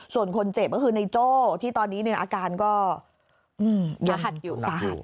ส่วนคนเจ็บก็คือในโจ้ที่ตอนนี้อาการก็สาหัสอยู่สาหัส